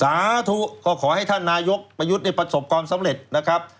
สาธุก็ขอให้ท่านนายกประยุทธ์ได้ประสบความสำเร็จนะครับ